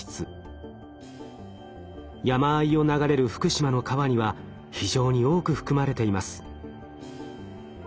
山あいを流れる福島の川には非常に多く含まれています。